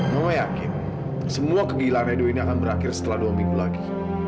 mama yakin semua kegilaan edu ini akan berakhir setelah dua minggu lagi